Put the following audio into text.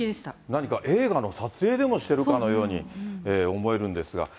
何か、映画の撮影でもしているかのように思えるんですが。